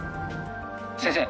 先生